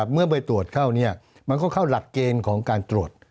เมื่อไปตรวจเข้ามันก็เข้าหลักเกณฑ์ของการตรวจ